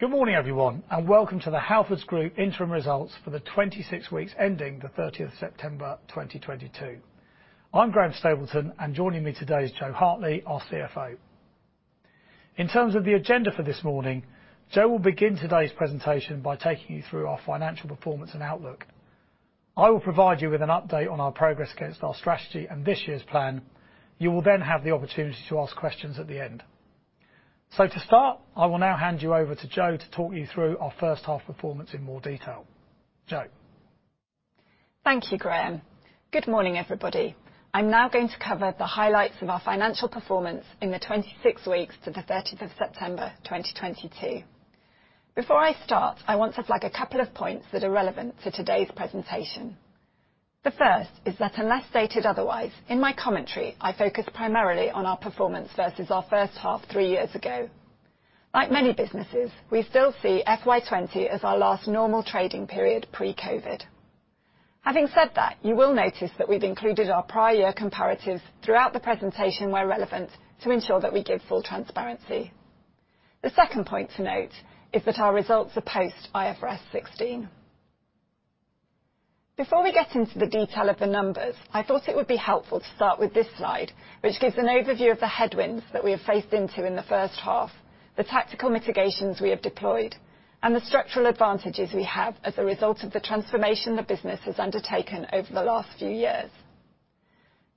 Good morning, everyone. Welcome to the Halfords Group interim results for the 26 weeks ending the 30th September 2022. I'm Graham Stapleton. Joining me today is Jo Hartley, our CFO. In terms of the agenda for this morning, Jo will begin today's presentation by taking you through our financial performance and outlook. I will provide you with an update on our progress against our strategy and this year's plan. You will then have the opportunity to ask questions at the end. To start, I will now hand you over to Jo to talk you through our first half performance in more detail. Jo. Thank you, Graham. Good morning, everybody. I'm now going to cover the highlights of our financial performance in the 26 weeks to the 30th of September 2022. Before I start, I want to flag a couple of points that are relevant to today's presentation. The first is that unless stated otherwise, in my commentary, I focus primarily on our performance versus our first half three years ago. Like many businesses, we still see FY20 as our last normal trading period pre-COVID. Having said that, you will notice that we've included our prior year comparatives throughout the presentation where relevant to ensure that we give full transparency. The second point to note is that our results are post IFRS 16. Before we get into the detail of the numbers, I thought it would be helpful to start with this slide, which gives an overview of the headwinds that we have faced into in the first half, the tactical mitigations we have deployed, and the structural advantages we have as a result of the transformation the business has undertaken over the last few years.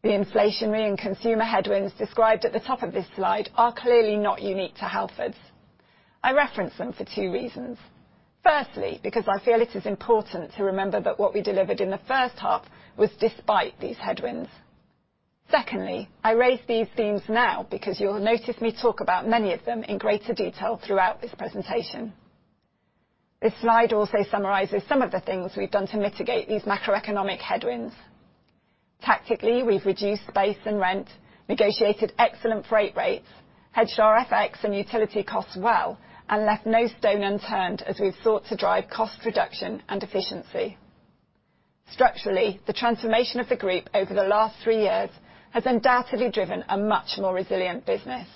The inflationary and consumer headwinds described at the top of this slide are clearly not unique to Halfords. I reference them for two reasons. Firstly, because I feel it is important to remember that what we delivered in the first half was despite these headwinds. Secondly, I raise these themes now because you'll notice me talk about many of them in greater detail throughout this presentation. This slide also summarizes some of the things we've done to mitigate these macroeconomic headwinds. Tactically, we've reduced space and rent, negotiated excellent freight rates, hedged our FX and utility costs well, left no stone unturned as we've sought to drive cost reduction and efficiency. Structurally, the transformation of the group over the last 3 years has undoubtedly driven a much more resilient business.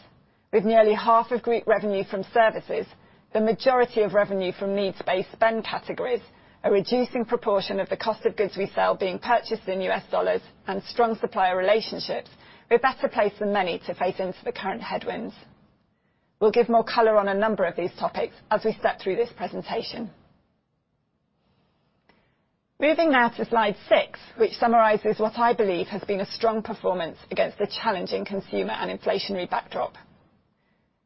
With nearly half of group revenue from services, the majority of revenue from needs-based spend categories, a reducing proportion of the cost of goods we sell being purchased in US dollars, strong supplier relationships, we're better placed than many to face into the current headwinds. We'll give more color on a number of these topics as we step through this presentation. Moving now to slide 6, which summarizes what I believe has been a strong performance against the challenging consumer and inflationary backdrop.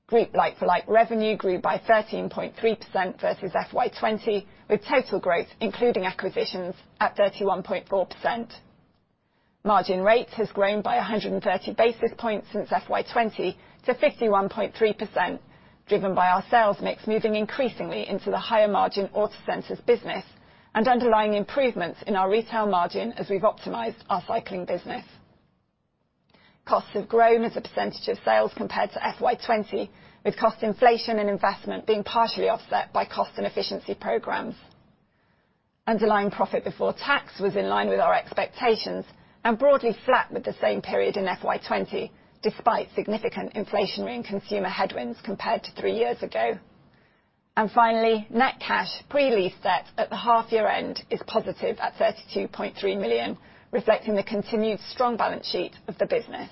Group like-for-like revenue grew by 13.3% versus FY 20, with total growth, including acquisitions at 31.4%. Margin rate has grown by 130 basis points since FY 20 to 51.3%, driven by our sales mix moving increasingly into the higher margin Autocentres business and underlying improvements in our retail margin as we've optimized our cycling business. Costs have grown as a percentage of sales compared to FY 20, with cost inflation and investment being partially offset by cost and efficiency programs. Underlying profit before tax was in line with our expectations and broadly flat with the same period in FY 20, despite significant inflationary and consumer headwinds compared to three years ago. Finally, net cash pre-lease debt at the half year end is positive at 32.3 million, reflecting the continued strong balance sheet of the business.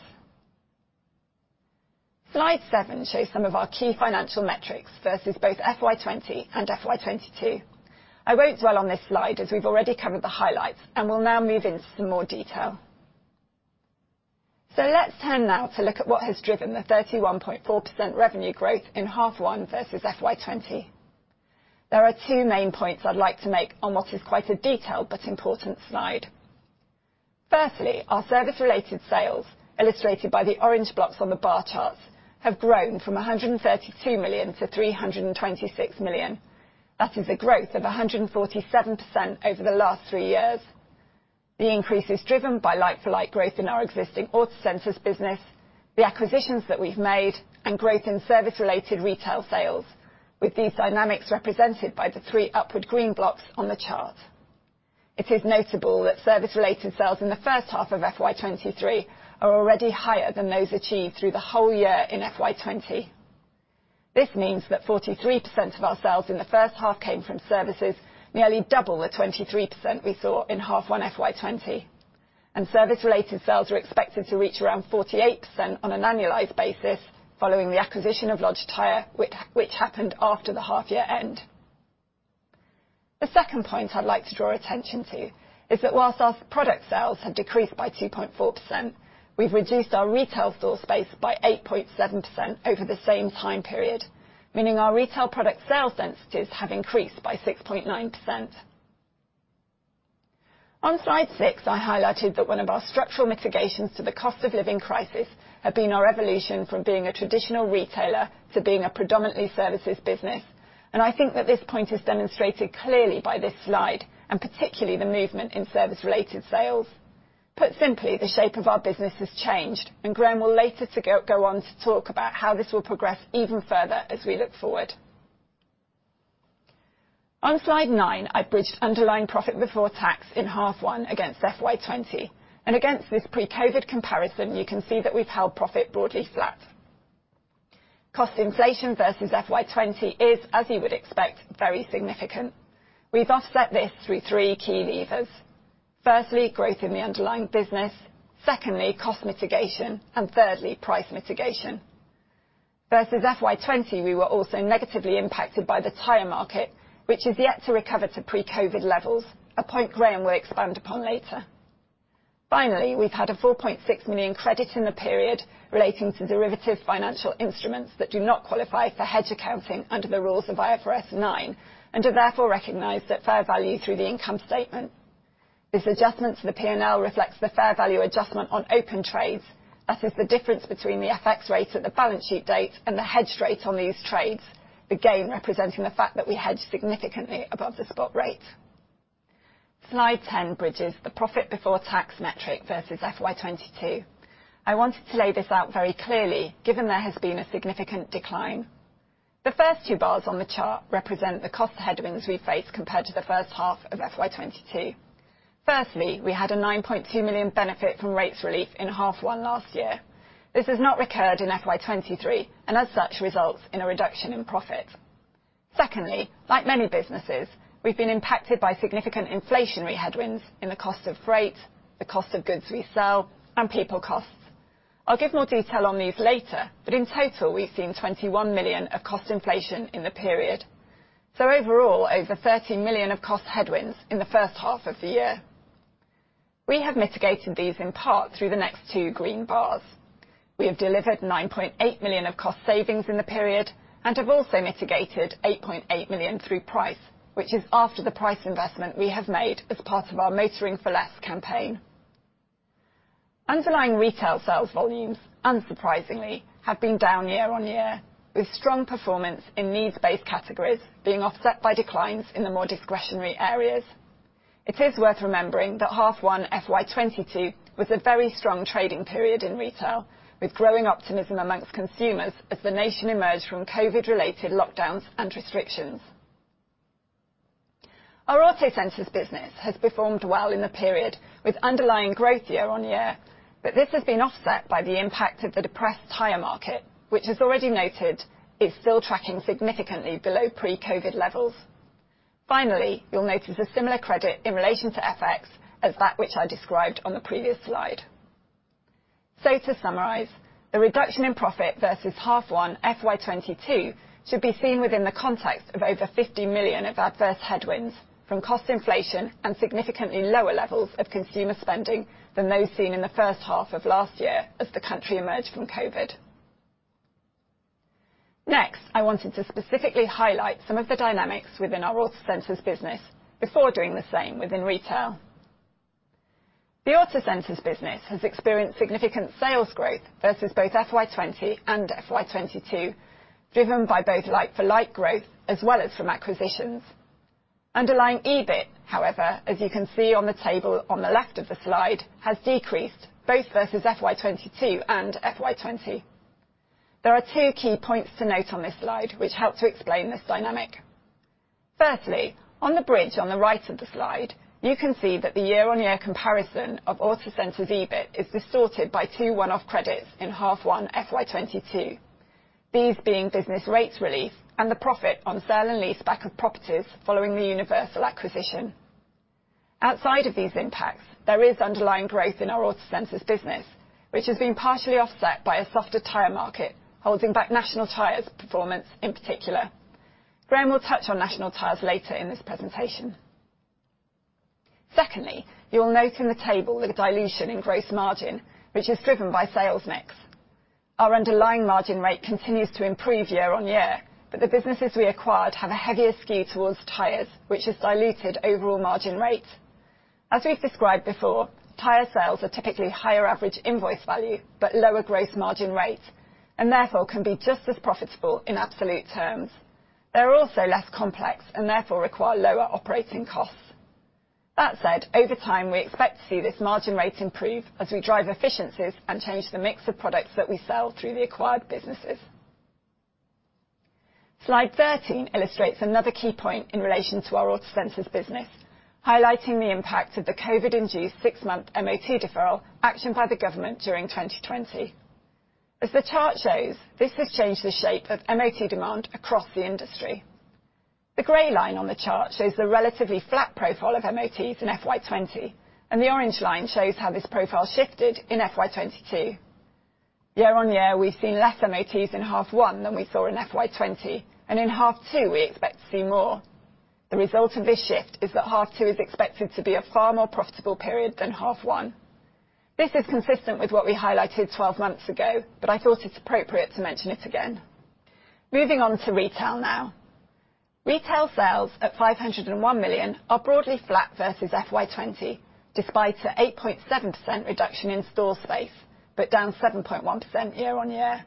Slide 7 shows some of our key financial metrics versus both FY 2020 and FY 2022. I won't dwell on this slide as we've already covered the highlights, and will now move into some more detail. Let's turn now to look at what has driven the 31.4% revenue growth in half one versus FY 2020. There are 2 main points I'd like to make on what is quite a detailed but important slide. Firstly, our service-related sales, illustrated by the orange blocks on the bar charts, have grown from 132 million to 326 million. That is a growth of 147% over the last 3 years. The increase is driven by like-for-like growth in our existing Autocentres business, the acquisitions that we've made, and growth in service-related retail sales, with these dynamics represented by the 3 upward green blocks on the chart. It is notable that service-related sales in the first half of FY 2023 are already higher than those achieved through the whole year in FY 2020. This means that 43% of our sales in the first half came from services, nearly double the 23% we saw in half one FY 2020. Service-related sales are expected to reach around 48% on an annualized basis following the acquisition of Lodge Tyre, which happened after the half year end. The second point I'd like to draw attention to is that whilst our product sales have decreased by 2.4%, we've reduced our retail store space by 8.7% over the same time period, meaning our retail product sales densities have increased by 6.9%. On slide 6, I highlighted that one of our structural mitigations to the cost of living crisis have been our evolution from being a traditional retailer to being a predominantly services business, and I think that this point is demonstrated clearly by this slide, and particularly the movement in service-related sales. Put simply, the shape of our business has changed, and Graham will later go on to talk about how this will progress even further as we look forward. On slide 9, I bridged underlying profit before tax in half one against FY20. Against this pre-COVID comparison, you can see that we've held profit broadly flat. Cost inflation versus FY20 is, as you would expect, very significant. We've offset this through three key levers. Firstly, growth in the underlying business. Secondly, cost mitigation. Thirdly, price mitigation. Versus FY20, we were also negatively impacted by the tire market, which is yet to recover to pre-COVID levels, a point Graham will expand upon later. We've had a 4.6 million credit in the period relating to derivative financial instruments that do not qualify for hedge accounting under the rules of IFRS 9 and are therefore recognized at fair value through the income statement. This adjustment to the P&L reflects the fair value adjustment on open trades. That is the difference between the FX rate at the balance sheet date and the hedge rate on these trades, again, representing the fact that we hedge significantly above the spot rate. Slide 10 bridges the profit before tax metric versus FY 2022. I wanted to lay this out very clearly, given there has been a significant decline. The first two bars on the chart represent the cost headwinds we face compared to the first half of FY 2022. Firstly, we had a 9.2 million benefit from rates relief in half 1 last year. This has not recurred in FY 2023, and as such, results in a reduction in profit. Secondly, like many businesses, we've been impacted by significant inflationary headwinds in the cost of freight, the cost of goods we sell, and people costs. I'll give more detail on these later. In total, we've seen 21 million of cost inflation in the period. Overall, over 30 million of cost headwinds in the first half of the year. We have mitigated these in part through the next two green bars. We have delivered 9.8 million of cost savings in the period and have also mitigated 8.8 million through price, which is after the price investment we have made as part of our Motoring for Less campaign. Underlying retail sales volumes, unsurprisingly, have been down year-over-year, with strong performance in needs-based categories being offset by declines in the more discretionary areas. It is worth remembering that half one FY 2022 was a very strong trading period in retail, with growing optimism amongst consumers as the nation emerged from COVID-related lockdowns and restrictions. Our Autocentres business has performed well in the period with underlying growth year-on-year. This has been offset by the impact of the depressed tire market, which, as already noted, is still tracking significantly below pre-COVID levels. Finally, you'll notice a similar credit in relation to FX as that which I described on the previous slide. To summarize, the reduction in profit versus half 1 FY22 should be seen within the context of over 50 million of adverse headwinds from cost inflation and significantly lower levels of consumer spending than those seen in the first half of last year as the country emerged from COVID. Next, I wanted to specifically highlight some of the dynamics within our Autocentres business before doing the same within Retail. The Autocentres business has experienced significant sales growth versus both FY 20 and FY 22, driven by both like-for-like growth as well as from acquisitions. Underlying EBIT, however, as you can see on the table on the left of the slide, has decreased both versus FY 22 and FY 20. There are two key points to note on this slide which help to explain this dynamic. Firstly, on the bridge on the right of the slide, you can see that the year-on-year comparison of Autocentres' EBIT is distorted by two one-off credits in Half 1 FY 22. These being business rates relief and the profit on sale-and-leaseback of properties following the Universal acquisition. Outside of these impacts, there is underlying growth in our Autocentres business, which has been partially offset by a softer tire market, holding back National Tyres' performance in particular. Graham will touch on National Tyres later in this presentation. You'll note in the table the dilution in gross margin, which is driven by sales mix. Our underlying margin rate continues to improve year on year, the businesses we acquired have a heavier skew towards tires, which has diluted overall margin rate. As we've described before, tire sales are typically higher average invoice value but lower gross margin rate and therefore can be just as profitable in absolute terms. They're also less complex and therefore require lower operating costs. Over time, we expect to see this margin rate improve as we drive efficiencies and change the mix of products that we sell through the acquired businesses. Slide 13 illustrates another key point in relation to our Autocentres business, highlighting the impact of the COVID-induced six-month MOT deferral actioned by the government during 2020. As the chart shows, this has changed the shape of MOT demand across the industry. The gray line on the chart shows the relatively flat profile of MOTs in FY20, and the orange line shows how this profile shifted in FY22. Year-on-year, we've seen less MOTs in half one than we saw in FY20, and in half two, we expect to see more. The result of this shift is that half two is expected to be a far more profitable period than half one. This is consistent with what we highlighted 12 months ago, but I thought it's appropriate to mention it again. Moving on to Retail now. Retail sales at 501 million are broadly flat versus FY20, despite an 8.7% reduction in store space, but down 7.1% year-on-year.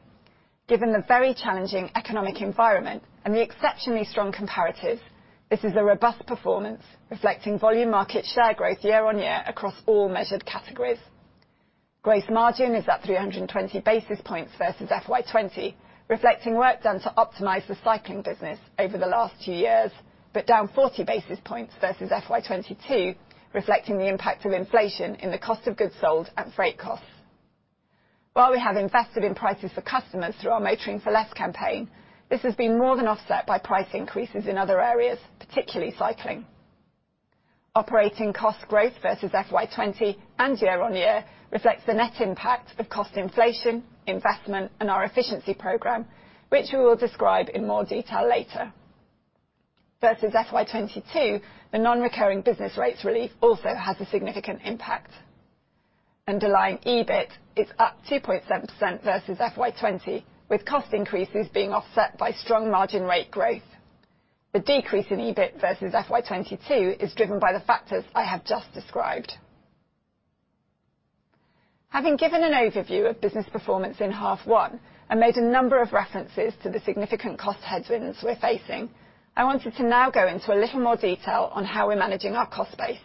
Given the very challenging economic environment and the exceptionally strong comparatives, this is a robust performance reflecting volume market share growth year on year across all measured categories. Gross margin is up 320 basis points versus FY20, reflecting work done to optimize the cycling business over the last two years, but down 40 basis points versus FY22, reflecting the impact of inflation in the cost of goods sold and freight costs. While we have invested in prices for customers through our Motoring for Less campaign, this has been more than offset by price increases in other areas, particularly cycling. Operating cost growth versus FY20 and year on year reflects the net impact of cost inflation, investment, and our efficiency program, which we will describe in more detail later. Versus FY22, the non-recurring business rates relief also has a significant impact. Underlying EBIT is up 2.7% versus FY20, with cost increases being offset by strong margin rate growth. The decrease in EBIT versus FY22 is driven by the factors I have just described. Having given an overview of business performance in half one and made a number of references to the significant cost headwinds we're facing, I wanted to now go into a little more detail on how we're managing our cost base.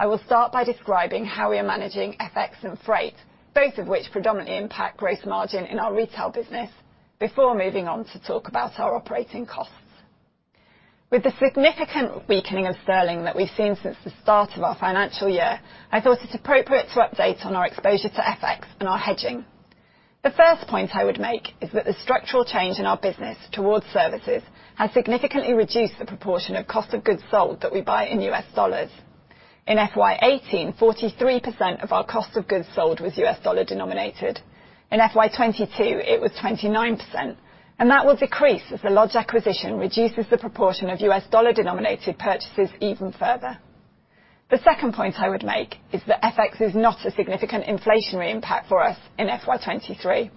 I will start by describing how we are managing FX and freight, both of which predominantly impact gross margin in our retail business before moving on to talk about our operating costs. With the significant weakening of sterling that we've seen since the start of our financial year, I thought it appropriate to update on our exposure to FX and our hedging. The first point I would make is that the structural change in our business towards services has significantly reduced the proportion of cost of goods sold that we buy in U.S. dollars. In FY18, 43% of our cost of goods sold was USD-denominated. In FY22, it was 29%, and that will decrease as the Lodge acquisition reduces the proportion of USD-denominated purchases even further. The second point I would make is that FX is not a significant inflationary impact for us in FY23.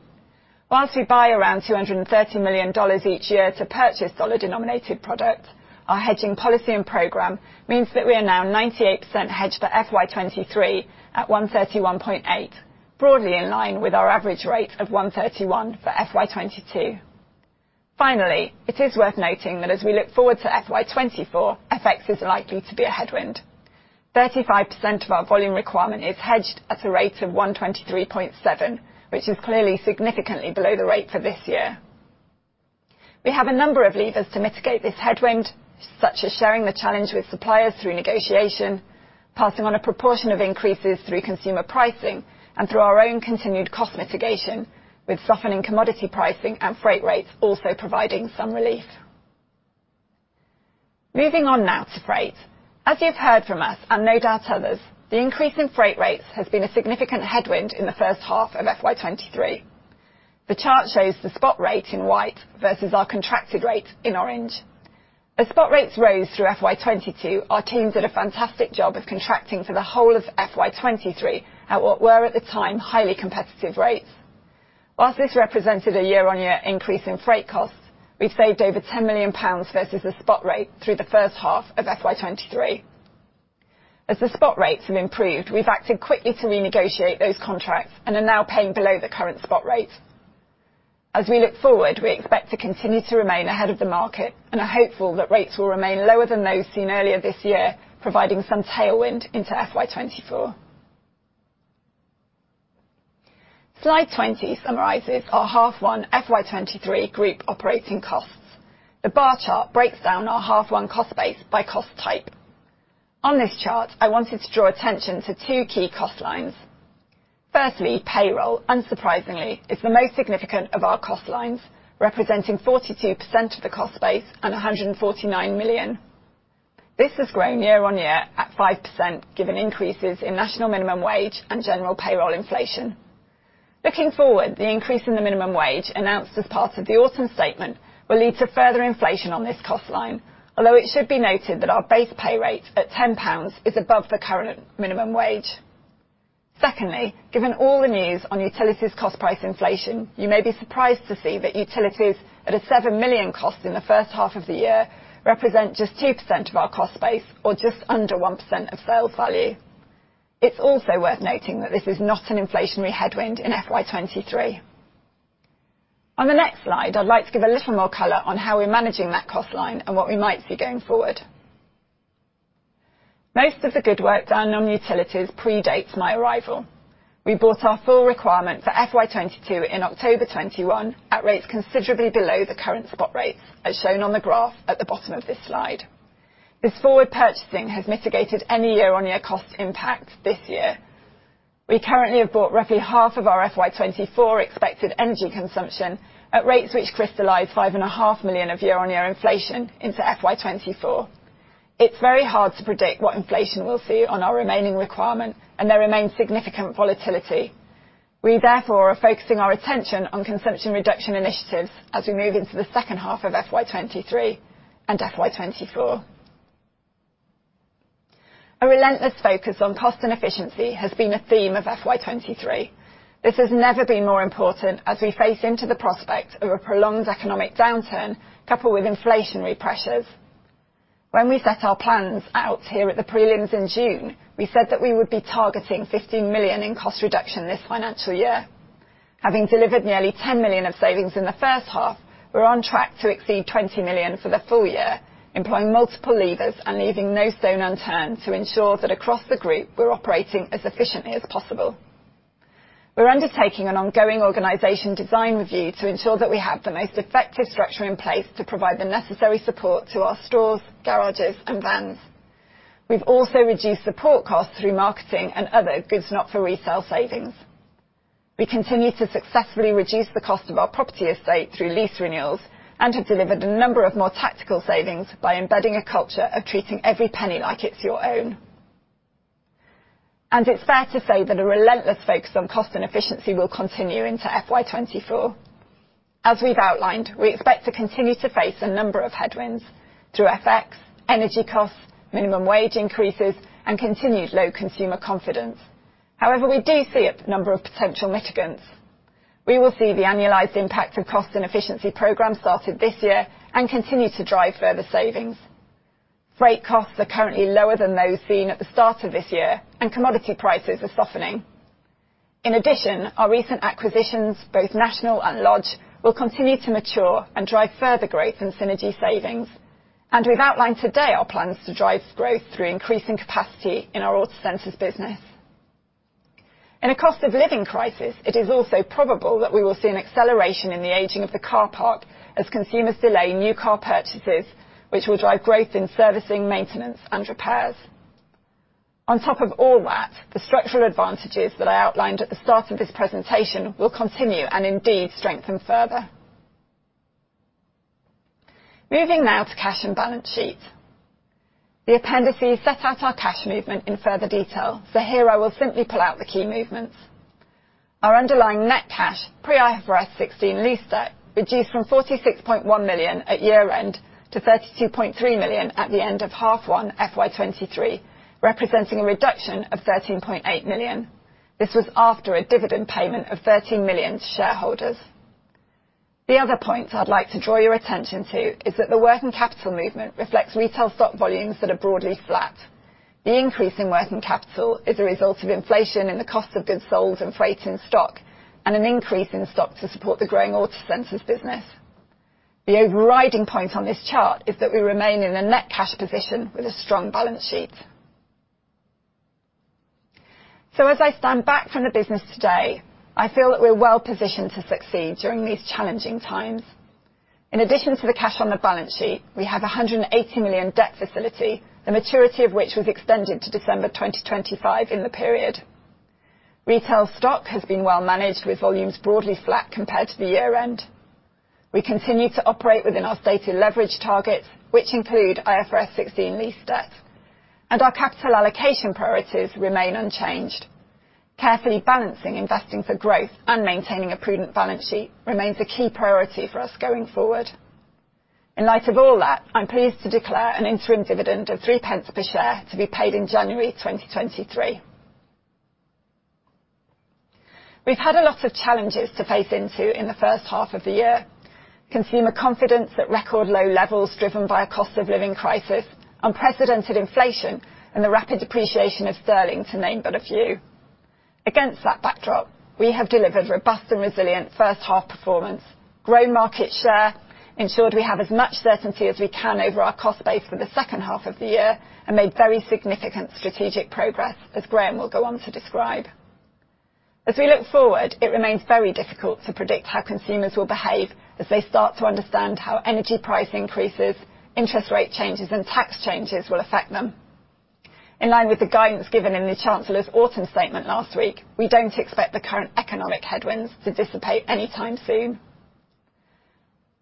Whilst we buy around $230 million each year to purchase USD-denominated products, our hedging policy and program means that we are now 98% hedged for FY23 at 1.318, broadly in line with our average rate of 1.31 for FY22. Finally, it is worth noting that as we look forward to FY24, FX is likely to be a headwind. 35% of our volume requirement is hedged at a rate of 123.7, which is clearly significantly below the rate for this year. We have a number of levers to mitigate this headwind, such as sharing the challenge with suppliers through negotiation, passing on a proportion of increases through consumer pricing, and through our own continued cost mitigation with softening commodity pricing and freight rates also providing some relief. Moving on now to freight. As you've heard from us, and no doubt others, the increase in freight rates has been a significant headwind in the first half of FY23. The chart shows the spot rate in white versus our contracted rate in orange. As spot rates rose through FY22, our teams did a fantastic job of contracting for the whole of FY23 at what were at the time, highly competitive rates. Whilst this represented a year-on-year increase in freight costs, we've saved over 10 million pounds versus the spot rate through the first half of FY23. As the spot rates have improved, we've acted quickly to renegotiate those contracts and are now paying below the current spot rates. As we look forward, we expect to continue to remain ahead of the market and are hopeful that rates will remain lower than those seen earlier this year providing some tailwind into FY24. Slide 20 summarizes our half one FY23 group operating costs. The bar chart breaks down our half one cost base by cost type. On this chart, I wanted to draw attention to 2 key cost lines. Firstly, payroll, unsurprisingly, is the most significant of our cost lines, representing 42% of the cost base and 149 million. This has grown year-on-year at 5% given increases in national minimum wage and general payroll inflation. Looking forward, the increase in the minimum wage announced as part of the Autumn Statement will lead to further inflation on this cost line. It should be noted that our base pay rate at 10 pounds is above the current minimum wage. Secondly, given all the news on utilities cost price inflation, you may be surprised to see that utilities at a 7 million cost in the first half of the year represent just 2% of our cost base or just under 1% of sales value. It's also worth noting that this is not an inflationary headwind in FY23. On the next slide, I'd like to give a little more color on how we're managing that cost line and what we might see going forward. Most of the good work done on utilities predates my arrival. We bought our full requirement for FY2022 in October 2021 at rates considerably below the current spot rate, as shown on the graph at the bottom of this slide. This forward purchasing has mitigated any year-on-year cost impact this year. We currently have bought roughly half of our FY2024 expected energy consumption at rates which crystallize five and a half million of year-on-year inflation into FY2024. It's very hard to predict what inflation we'll see on our remaining requirement, and there remains significant volatility. We, therefore, are focusing our attention on consumption reduction initiatives as we move into the second half of FY2023 and FY2024. A relentless focus on cost and efficiency has been a theme of FY23. This has never been more important as we face into the prospect of a prolonged economic downturn coupled with inflationary pressures. When we set our plans out here at the prelims in June, we said that we would be targeting 50 million in cost reduction this financial year. Having delivered nearly 10 million of savings in the first half, we're on track to exceed 20 million for the full year, employing multiple levers and leaving no stone unturned to ensure that across the Group we're operating as efficiently as possible. We're undertaking an ongoing organization design review to ensure that we have the most effective structure in place to provide the necessary support to our stores, garages, and vans. We've also reduced support costs through marketing and other goods not for resale savings. We continue to successfully reduce the cost of our property estate through lease renewals and have delivered a number of more tactical savings by embedding a culture of treating every penny like it's your own. It's fair to say that a relentless focus on cost and efficiency will continue into FY 24. As we've outlined, we expect to continue to face a number of headwinds through FX, energy costs, minimum wage increases, and continued low consumer confidence. However, we do see a number of potential mitigants. We will see the annualized impact of cost and efficiency program started this year and continue to drive further savings. Freight costs are currently lower than those seen at the start of this year, and commodity prices are softening. In addition, our recent acquisitions, both National and Lodge, will continue to mature and drive further growth and synergy savings. We've outlined today our plans to drive growth through increasing capacity in our Autocentres business. In a cost of living crisis, it is also probable that we will see an acceleration in the aging of the car park as consumers delay new car purchases, which will drive growth in servicing, maintenance, and repairs. On top of all that, the structural advantages that I outlined at the start of this presentation will continue and indeed strengthen further. Moving now to cash and balance sheet. The appendices set out our cash movement in further detail, so here I will simply pull out the key movements. Our underlying net cash, pre-IFRS 16 lease debt, reduced from 46.1 million at year-end to 32.3 million at the end of half one FY 23, representing a reduction of 13.8 million. This was after a dividend payment of 13 million to shareholders. The other point I'd like to draw your attention to is that the working capital movement reflects retail stock volumes that are broadly flat. The increase in working capital is a result of inflation in the cost of goods sold and freight in stock and an increase in stock to support the growing Autocentres business. The overriding point on this chart is that we remain in a net cash position with a strong balance sheet. As I stand back from the business today, I feel that we're well positioned to succeed during these challenging times. In addition to the cash on the balance sheet, we have a 180 million debt facility, the maturity of which was extended to December 2025 in the period. Retail stock has been well managed with volumes broadly flat compared to the year-end. We continue to operate within our stated leverage targets, which include IFRS 16 lease debt, and our capital allocation priorities remain unchanged. Carefully balancing investing for growth and maintaining a prudent balance sheet remains a key priority for us going forward. In light of all that, I'm pleased to declare an interim dividend of 3 pence per share to be paid in January 2023. We've had a lot of challenges to face into in the first half of the year. Consumer confidence at record low levels driven by a cost of living crisis, unprecedented inflation, and the rapid depreciation of sterling, to name but a few. Against that backdrop, we have delivered robust and resilient first half performance, grown market share, ensured we have as much certainty as we can over our cost base for the second half of the year, and made very significant strategic progress, as Graham will go on to describe. As we look forward, it remains very difficult to predict how consumers will behave as they start to understand how energy price increases, interest rate changes, and tax changes will affect them. In line with the guidance given in the Chancellor's Autumn Statement last week, we don't expect the current economic headwinds to dissipate anytime soon.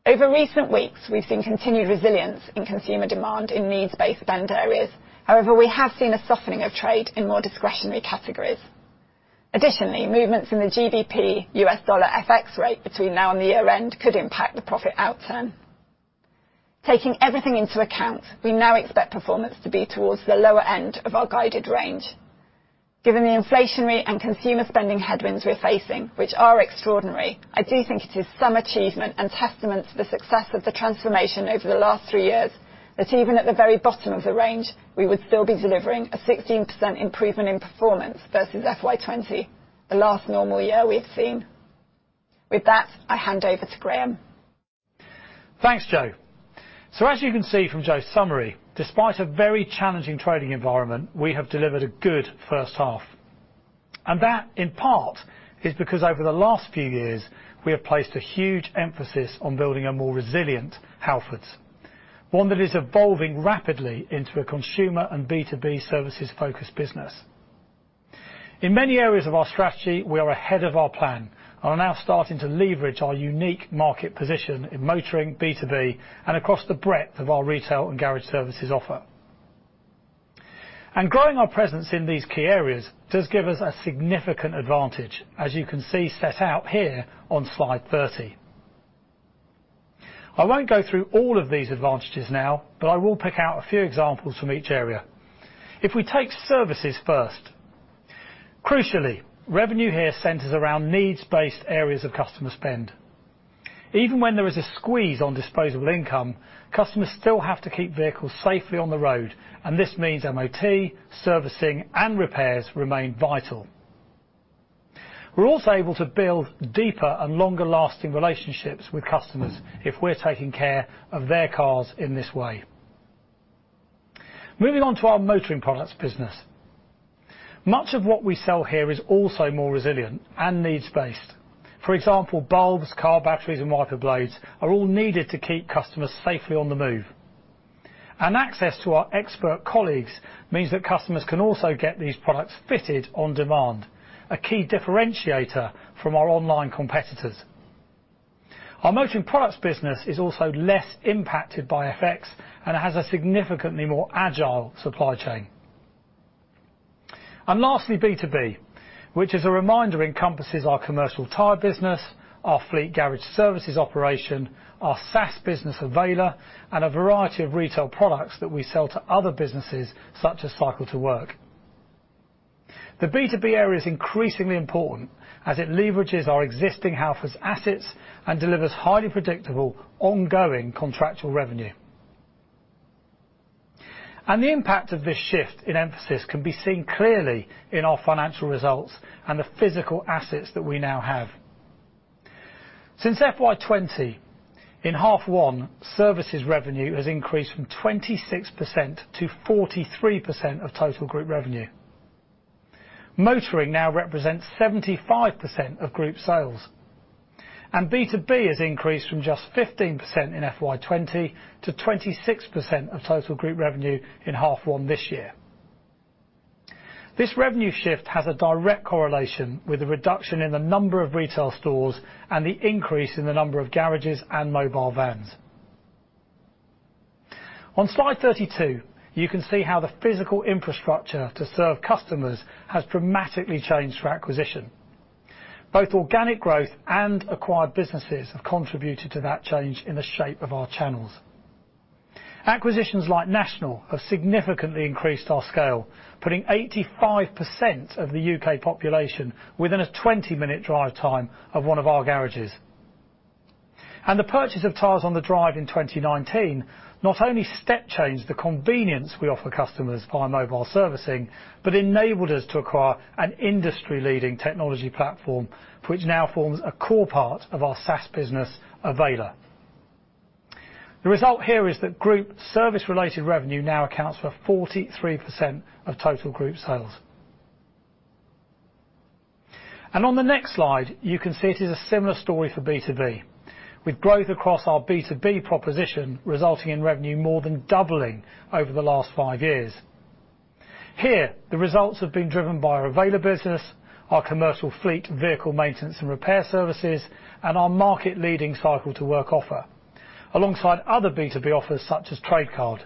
Over recent weeks, we've seen continued resilience in consumer demand in needs-based spend areas. However, we have seen a softening of trade in more discretionary categories. Additionally, movements in the GDP U.S. dollar FX rate between now and the year-end could impact the profit outcome. Taking everything into account, we now expect performance to be towards the lower end of our guided range. Given the inflationary and consumer spending headwinds we're facing, which are extraordinary, I do think it is some achievement and testament to the success of the transformation over the last three years that even at the very bottom of the range, we would still be delivering a 16% improvement in performance versus FY 20, the last normal year we've seen. With that, I hand over to Graham. Thanks, Jo. As you can see from Jo's summary, despite a very challenging trading environment, we have delivered a good first half. That, in part, is because over the last few years, we have placed a huge emphasis on building a more resilient Halfords, one that is evolving rapidly into a consumer and B2B services focused business. In many areas of our strategy, we are ahead of our plan and are now starting to leverage our unique market position in motoring, B2B, and across the breadth of our retail and garage services offer. Growing our presence in these key areas does give us a significant advantage, as you can see set out here on slide 30. I won't go through all of these advantages now, but I will pick out a few examples from each area. If we take services first, crucially, revenue here centers around needs-based areas of customer spend. Even when there is a squeeze on disposable income, customers still have to keep vehicles safely on the road, this means MOT, servicing, and repairs remain vital. We're also able to build deeper and longer-lasting relationships with customers if we're taking care of their cars in this way. Moving on to our motoring products business. Much of what we sell here is also more resilient and needs-based. For example, bulbs, car batteries, and wiper blades are all needed to keep customers safely on the move. Access to our expert colleagues means that customers can also get these products fitted on demand, a key differentiator from our online competitors. Our motoring products business is also less impacted by FX and has a significantly more agile supply chain. Lastly, B2B, which, as a reminder, encompasses our commercial tire business, our fleet garage services operation, our SaaS business, Avayler, and a variety of retail products that we sell to other businesses, such as Cycle2Work. The B2B area is increasingly important, as it leverages our existing Halfords assets and delivers highly predictable, ongoing contractual revenue. The impact of this shift in emphasis can be seen clearly in our financial results and the physical assets that we now have. Since FY 20, in half one, services revenue has increased from 26% to 43% of total group revenue. Motoring now represents 75% of group sales. B2B has increased from just 15% in FY 20 to 26% of total group revenue in half one this year. This revenue shift has a direct correlation with the reduction in the number of retail stores and the increase in the number of garages and mobile vans. On slide 32, you can see how the physical infrastructure to serve customers has dramatically changed through acquisition. Both organic growth and acquired businesses have contributed to that change in the shape of our channels. Acquisitions like National have significantly increased our scale, putting 85% of the U.K. population within a 20-minute drive time of one of our garages. The purchase of Tyres on the Drive in 2019 not only step-changed the convenience we offer customers via mobile servicing, but enabled us to acquire an industry-leading technology platform which now forms a core part of our SaaS business, Avayler. The result here is that group service-related revenue now accounts for 43% of total group sales. On the next slide, you can see it is a similar story for B2B, with growth across our B2B proposition resulting in revenue more than doubling over the last five years. Here, the results have been driven by our Avayler business, our commercial fleet vehicle maintenance and repair services, and our market-leading Cycle2Work offer, alongside other B2B offers such as Trade Card.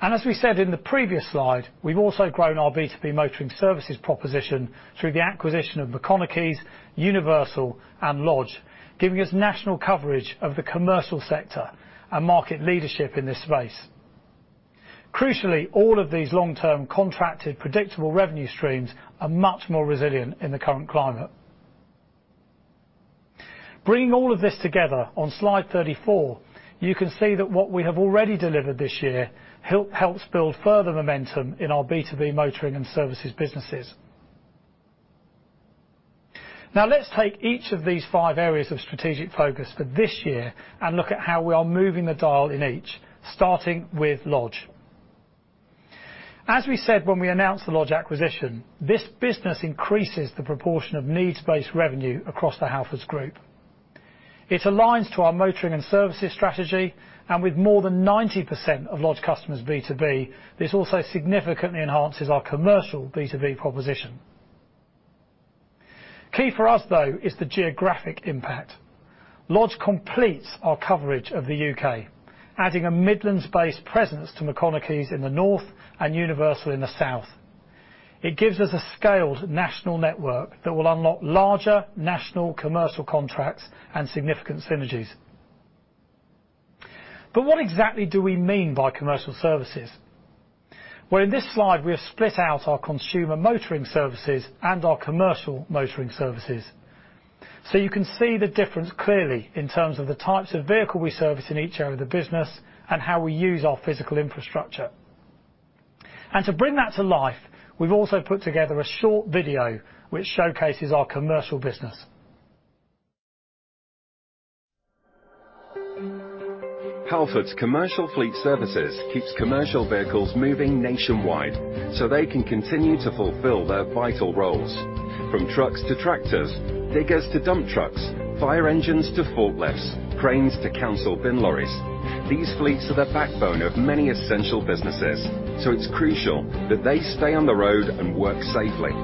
As we said in the previous slide, we've also grown our B2B motoring services proposition through the acquisition of McConechy's, Universal, and Lodge, giving us national coverage of the commercial sector and market leadership in this space. Crucially, all of these long-term contracted predictable revenue streams are much more resilient in the current climate. Bringing all of this together on slide 34, you can see that what we have already delivered this year helps build further momentum in our B2B motoring and services businesses. Let's take each of these five areas of strategic focus for this year and look at how we are moving the dial in each, starting with Lodge. We said when we announced the Lodge acquisition, this business increases the proportion of needs-based revenue across the Halfords Group. It aligns to our motoring and services strategy. With more than 90% of Lodge customers B2B, this also significantly enhances our commercial B2B proposition. Key for us, though, is the geographic impact. Lodge completes our coverage of the U.K., adding a Midlands-based presence to McConechy's in the North and Universal in the South. It gives us a scaled national network that will unlock larger national commercial contracts and significant synergies. What exactly do we mean by commercial services? Well, in this slide, we have split out our consumer motoring services and our commercial motoring services, so you can see the difference clearly in terms of the types of vehicle we service in each area of the business and how we use our physical infrastructure. To bring that to life, we've also put together a short video which showcases our commercial business. Halfords Commercial Fleet Services keeps commercial vehicles moving nationwide so they can continue to fulfill their vital roles. From trucks to tractors, diggers to dump trucks, fire engines to forklifts, cranes to council bin lorries, these fleets are the backbone of many essential businesses, so it's crucial that they stay on the road and work safely.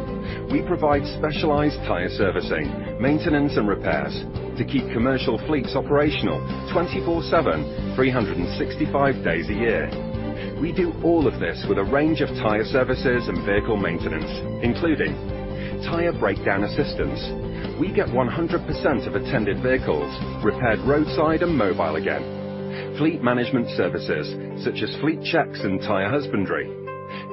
We provide specialized tire servicing, maintenance, and repairs to keep commercial fleets operational 24/7, 365 days a year. We do all of this with a range of tire services and vehicle maintenance, including tire breakdown assistance. We get 100% of attended vehicles repaired roadside and mobile again. Fleet management services, such as fleet checks and tire husbandry.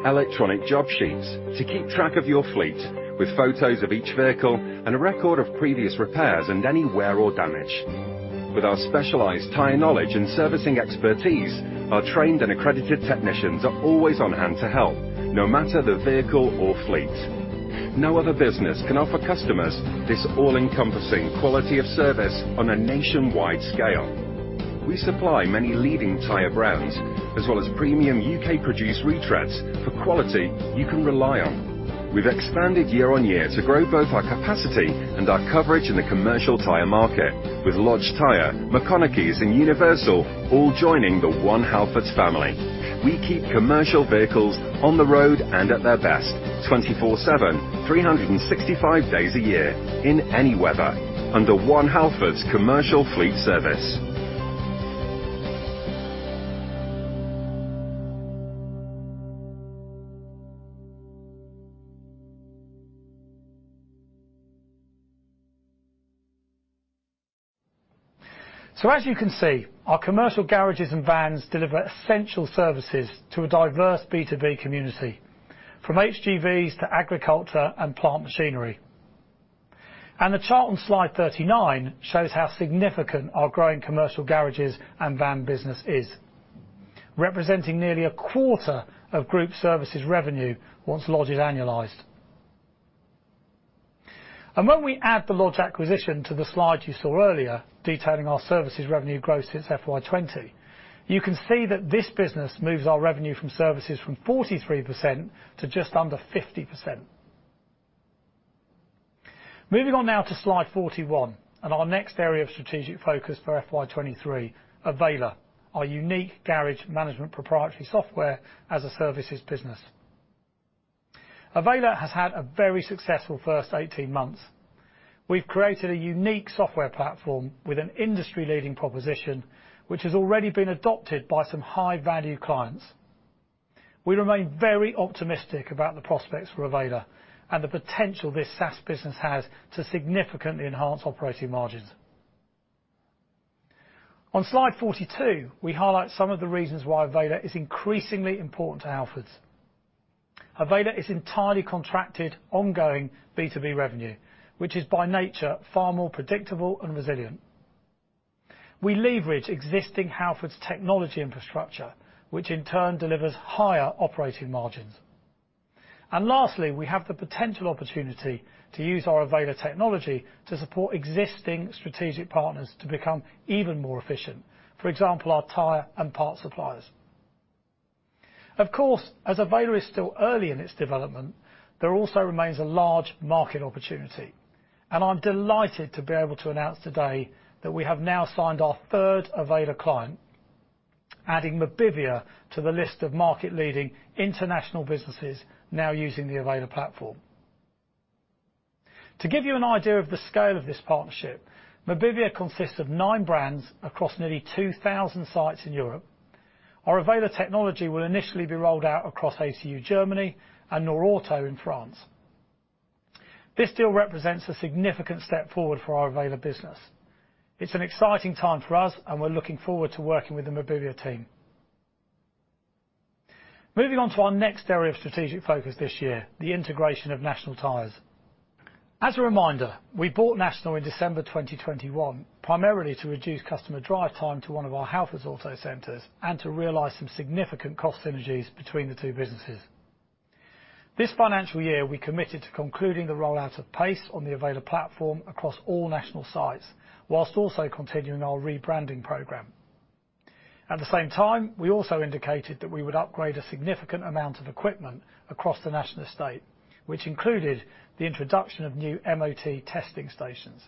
Electronic job sheets to keep track of your fleet with photos of each vehicle and a record of previous repairs and any wear or damage. With our specialized tire knowledge and servicing expertise, our trained and accredited technicians are always on hand to help no matter the vehicle or fleet. No other business can offer customers this all-encompassing quality of service on a nationwide scale. We supply many leading tire brands, as well as premium UK produced retreads for quality you can rely on. We've expanded year on year to grow both our capacity and our coverage in the commercial tire market with Lodge Tyre, McConechy's, and Universal all joining the One Halfords family. We keep commercial vehicles on the road and at their best 24/7, 365 days a year in any weather under One Halfords Commercial Fleet Services. As you can see, our commercial garages and vans deliver essential services to a diverse B2B community, from HGVs to agriculture and plant machinery. The chart on slide 39 shows how significant our growing commercial garages and van business is, representing nearly a quarter of group services revenue once Lodge is annualized. When we add the Lodge acquisition to the slide you saw earlier detailing our services revenue growth since FY 20, you can see that this business moves our revenue from services from 43% to just under 50%. Moving on now to slide 41 and our next area of strategic focus for FY 23, Avayler, our unique garage management proprietary software as a services business. Avayler has had a very successful first 18 months. We've created a unique software platform with an industry-leading proposition, which has already been adopted by some high value clients. We remain very optimistic about the prospects for Avayler and the potential this SaaS business has to significantly enhance operating margins. On slide 42, we highlight some of the reasons why Avayler is increasingly important to Halfords. Avayler is entirely contracted ongoing B2B revenue, which is by nature, far more predictable and resilient. We leverage existing Halfords technology infrastructure, which in turn delivers higher operating margins. Lastly, we have the potential opportunity to use our Avayler technology to support existing strategic partners to become even more efficient, for example, our tire and part suppliers. Of course, as Avayler is still early in its development, there also remains a large market opportunity. I'm delighted to be able to announce today that we have now signed our third Avayler client, adding Mobivia to the list of market leading international businesses now using the Avayler platform. To give you an idea of the scale of this partnership, Mobivia consists of nine brands across nearly 2,000 sites in Europe. Our Avayler technology will initially be rolled out across A.T.U Germany and Norauto in France. This deal represents a significant step forward for our Avayler business. It's an exciting time for us, and we're looking forward to working with the Mobivia team. Moving on to our next area of strategic focus this year, the integration of National Tyres. As a reminder, we bought National in December 2021, primarily to reduce customer drive time to one of our Halfords Autocentres and to realize some significant cost synergies between the two businesses. This financial year, we committed to concluding the rollout of Pace on the Avayler platform across all National sites, whilst also continuing our rebranding program. At the same time, we also indicated that we would upgrade a significant amount of equipment across the National estate, which included the introduction of new MOT testing stations.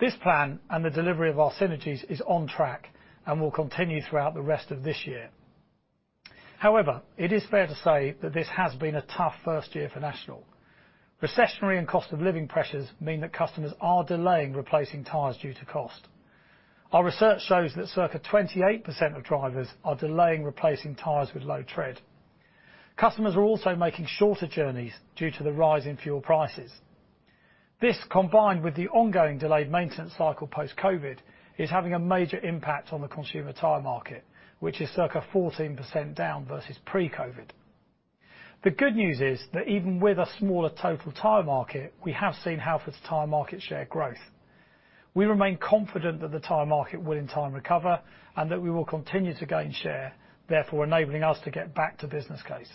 This plan and the delivery of our synergies is on track and will continue throughout the rest of this year. It is fair to say that this has been a tough first year for National. Recessionary and cost of living pressures mean that customers are delaying replacing tires due to cost. Our research shows that circa 28% of drivers are delaying replacing tires with low tread. Customers are also making shorter journeys due to the rise in fuel prices. This, combined with the ongoing delayed maintenance cycle post-COVID, is having a major impact on the consumer tire market, which is circa 14% down versus pre-COVID. The good news is that even with a smaller total tire market, we have seen Halfords tire market share growth. We remain confident that the tire market will in time recover and that we will continue to gain share, therefore enabling us to get back to business case.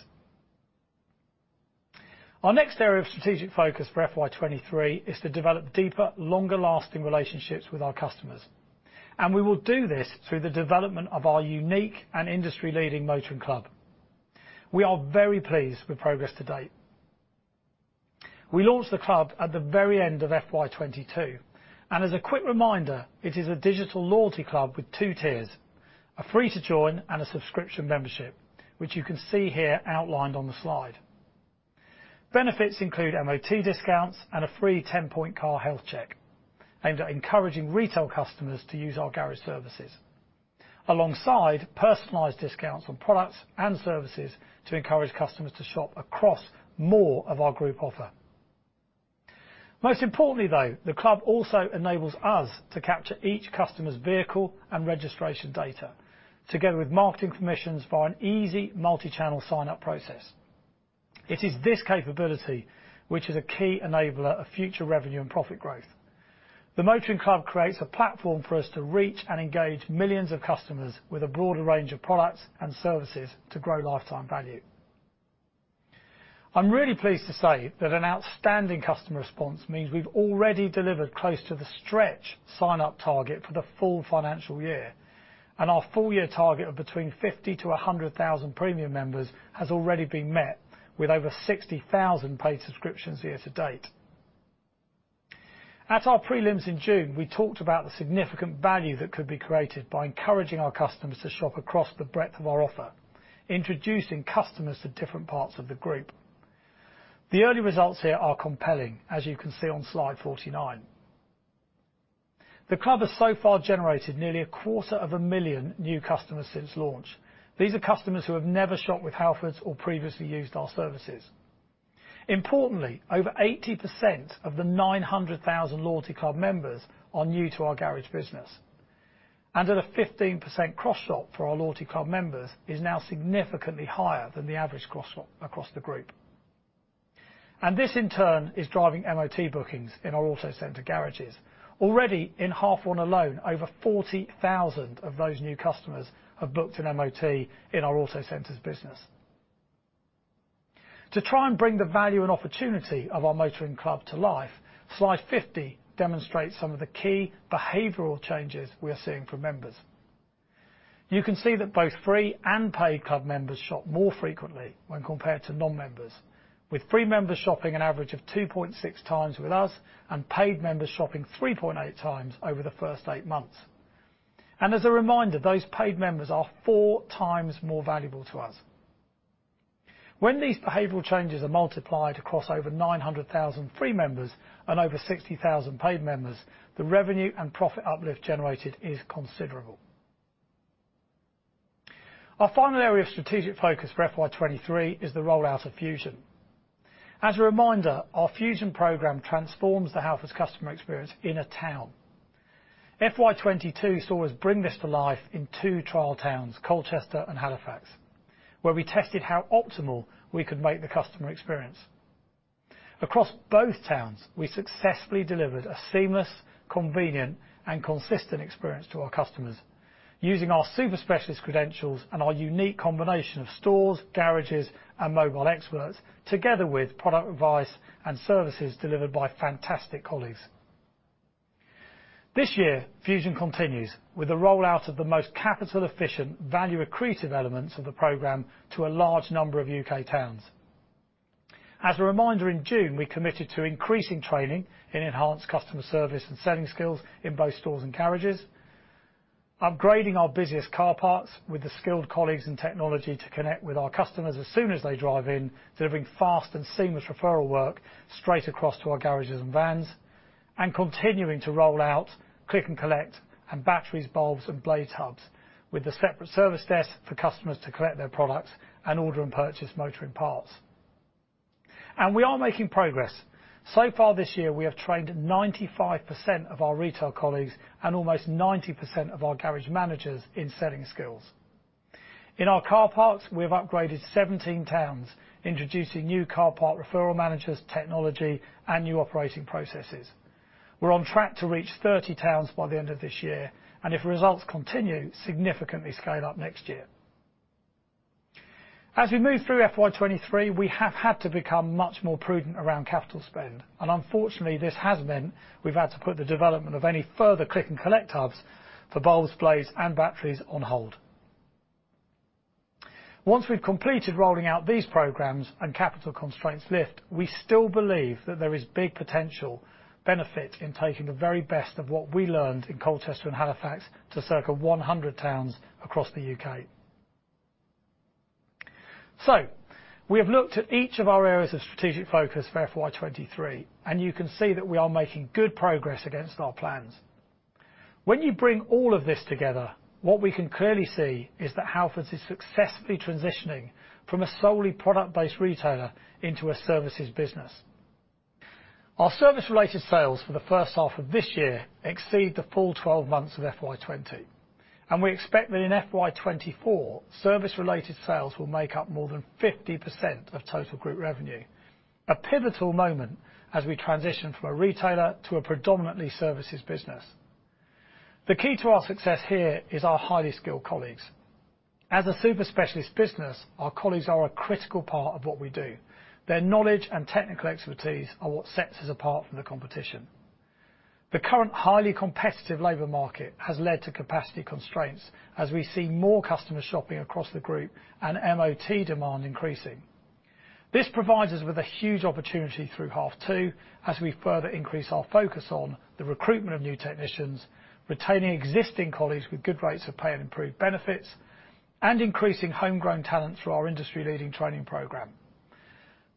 Our next area of strategic focus for FY 23 is to develop deeper, longer-lasting relationships with our customers, and we will do this through the development of our unique and industry-leading Motoring Club. We are very pleased with progress to date. We launched the club at the very end of FY 22. As a quick reminder, it is a digital loyalty club with two tiers, a free to join and a subscription membership, which you can see here outlined on the slide. Benefits include MOT discounts and a free ten-point car health check aimed at encouraging retail customers to use our garage services, alongside personalized discounts on products and services to encourage customers to shop across more of our group offer. Most importantly though, the club also enables us to capture each customer's vehicle and registration data together with marketing permissions for an easy multi-channel sign-up process. It is this capability which is a key enabler of future revenue and profit growth. The Motoring Club creates a platform for us to reach and engage millions of customers with a broader range of products and services to grow lifetime value. I'm really pleased to say that an outstanding customer response means we've already delivered close to the stretch sign-up target for the full financial year. Our full year target of between 50 to 100,000 premium members has already been met with over 60,000 paid subscriptions year to date. At our prelims in June, we talked about the significant value that could be created by encouraging our customers to shop across the breadth of our offer, introducing customers to different parts of the group. The early results here are compelling, as you can see on slide 49. The club has so far generated nearly a quarter of a million new customers since launch. These are customers who have never shopped with Halfords or previously used our services. Importantly, over 80% of the 900,000 loyalty club members are new to our garage business. At a 15% cross-shop for our loyalty club members is now significantly higher than the average cross-shop across the group. This in turn is driving MOT bookings in our Autocentres garages. Already in half one alone, over 40,000 of those new customers have booked an MOT in our Autocentres business. To try and bring the value and opportunity of our Motoring Club to life, slide 50 demonstrates some of the key behavioral changes we are seeing from members. You can see that both free and paid club members shop more frequently when compared to non-members, with free members shopping an average of 2.6 times with us and paid members shopping 3.8 times over the first eight months. As a reminder, those paid members are four times more valuable to us. When these behavioral changes are multiplied across over 900,000 free members and over 60,000 paid members, the revenue and profit uplift generated is considerable. Our final area of strategic focus for FY 2023 is the rollout of Fusion. As a reminder, our Fusion program transforms the Halfords customer experience in a town. FY 2022 saw us bring this to life in two trial towns, Colchester and Halifax, where we tested how optimal we could make the customer experience. Across both towns, we successfully delivered a seamless, convenient, and consistent experience to our customers using our super specialist credentials and our unique combination of stores, garages, and mobile experts, together with product advice and services delivered by fantastic colleagues. This year, Fusion continues with the rollout of the most capital efficient, value accretive elements of the program to a large number of U.K. towns. As a reminder, in June, we committed to increasing training in enhanced customer service and selling skills in both stores and garages, upgrading our busiest car parts with the skilled colleagues and technology to connect with our customers as soon as they drive in, delivering fast and seamless referral work straight across to our garages and vans, and continuing to roll out click and collect and batteries, bulbs and blade hubs with a separate service desk for customers to collect their products and order and purchase motoring parts. We are making progress. Far this year, we have trained 95% of our retail colleagues and almost 90% of our garage managers in selling skills. In our car parks, we have upgraded 17 towns, introducing new car park referral managers, technology and new operating processes. We're on track to reach 30 towns by the end of this year, and if results continue, significantly scale up next year. As we move through FY 23, we have had to become much more prudent around capital spend, and unfortunately, this has meant we've had to put the development of any further click and collect hubs for bulbs, blades and batteries on hold. Once we've completed rolling out these programs and capital constraints lift, we still believe that there is big potential benefit in taking the very best of what we learned in Colchester and Halifax to circa 100 towns across the U.K. We have looked at each of our areas of strategic focus for FY 23, and you can see that we are making good progress against our plans. When you bring all of this together, what we can clearly see is that Halfords is successfully transitioning from a solely product-based retailer into a services business. Our service-related sales for the first half of this year exceed the full 12 months of FY 2020. We expect that in FY 2024, service-related sales will make up more than 50% of total group revenue, a pivotal moment as we transition from a retailer to a predominantly services business. The key to our success here is our highly skilled colleagues. As a super specialist business, our colleagues are a critical part of what we do. Their knowledge and technical expertise are what sets us apart from the competition. The current highly competitive labor market has led to capacity constraints as we see more customers shopping across the group and MOT demand increasing. This provides us with a huge opportunity through half 2 as we further increase our focus on the recruitment of new technicians, retaining existing colleagues with good rates of pay and improved benefits, and increasing homegrown talent through our industry-leading training program.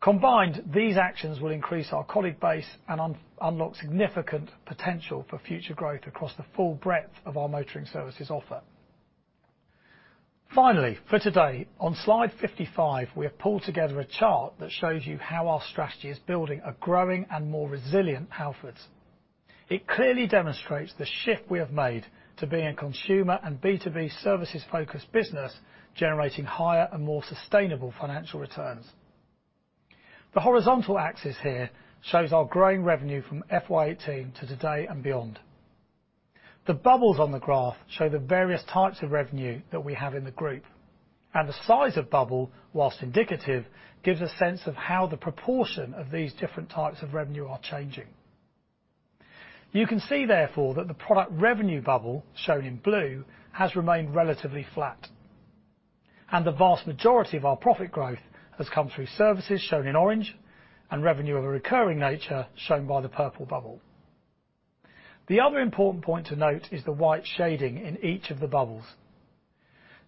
Combined, these actions will increase our colleague base and unlock significant potential for future growth across the full breadth of our motoring services offer. For today, on slide 55, we have pulled together a chart that shows you how our strategy is building a growing and more resilient Halfords. It clearly demonstrates the shift we have made to being a consumer and B2B services-focused business, generating higher and more sustainable financial returns. The horizontal axis here shows our growing revenue from FY 18 to today and beyond. The bubbles on the graph show the various types of revenue that we have in the group. The size of bubble, while indicative, gives a sense of how the proportion of these different types of revenue are changing. You can see, therefore, that the product revenue bubble, shown in blue, has remained relatively flat. The vast majority of our profit growth has come through services, shown in orange, and revenue of a recurring nature, shown by the purple bubble. The other important point to note is the white shading in each of the bubbles.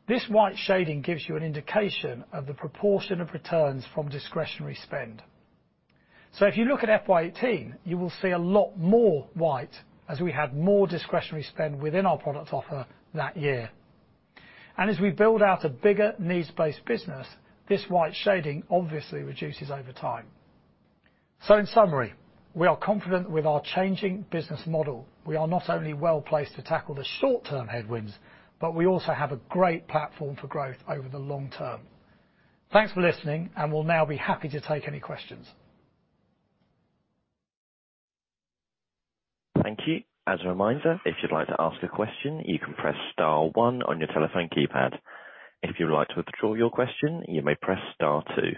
This white shading gives you an indication of the proportion of returns from discretionary spend. If you look at FY 18, you will see a lot more white as we had more discretionary spend within our product offer that year. As we build out a bigger needs-based business, this white shading obviously reduces over time. In summary, we are confident with our changing business model. We are not only well-placed to tackle the short-term headwinds, but we also have a great platform for growth over the long term. Thanks for listening. We'll now be happy to take any questions. Thank you. As a reminder, if you'd like to ask a question, you can press star one on your telephone keypad. If you'd like to withdraw your question, you may press star two.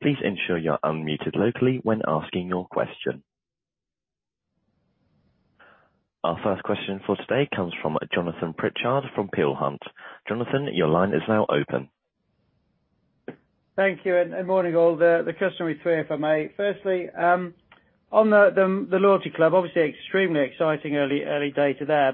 Please ensure you're unmuted locally when asking your question. Our first question for today comes from Jonathan Pritchard from Peel Hunt. Jonathan, your line is now open. Thank you. Morning all. The customary three if I may. Firstly, on the loyalty club, obviously extremely exciting early data there.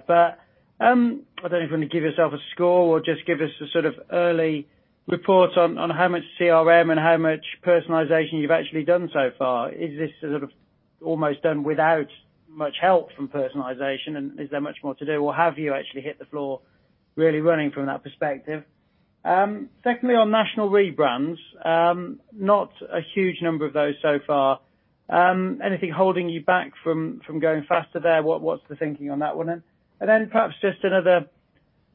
I don't know if you want to give yourself a score or just give us a sort of early report on how much CRM and how much personalization you've actually done so far. Is this sort of almost done without much help from personalization? Is there much more to do? Have you actually hit the floor really running from that perspective? Secondly, on national rebrands, not a huge number of those so far. Anything holding you back from going faster there? What's the thinking on that one? Perhaps just another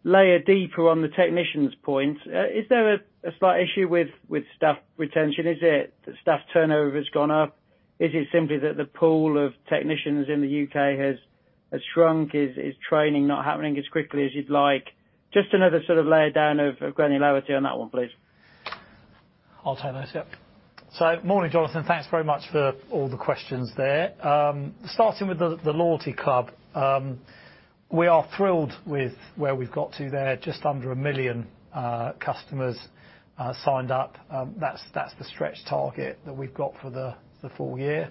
layer deeper on the technicians point. Is there a slight issue with staff retention? Is it that staff turnover has gone up? Is it simply that the pool of technicians in the U.K. has shrunk? Is training not happening as quickly as you'd like? Just another sort of layer down of granularity on that one, please. I'll take those, yep. Morning, Jonathan. Thanks very much for all the questions there. Starting with the loyalty club, we are thrilled with where we've got to there. Just under 1 million customers signed up. That's the stretch target that we've got for the full year.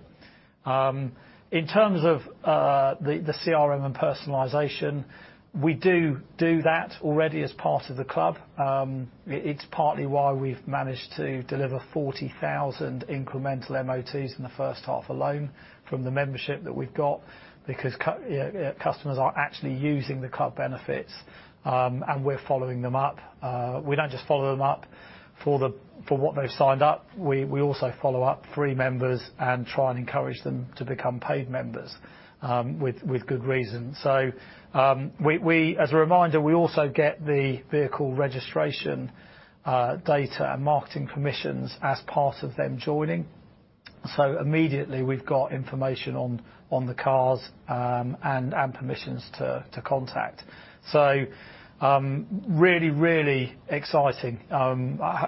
In terms of the CRM and personalization, we do do that already as part of the club. It's partly why we've managed to deliver 40,000 incremental MOTs in the first half alone from the membership that we've got because customers are actually using the club benefits, and we're following them up. We don't just follow them up for what they've signed up. We also follow up free members and try and encourage them to become paid members, with good reason. As a reminder, we also get the vehicle registration data and marketing permissions as part of them joining. Immediately we've got information on the cars and permissions to contact. Really exciting.